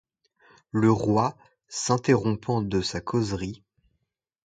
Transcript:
Le Roi, s’interrompant de sa causerie.